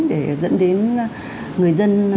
để dẫn đến người dân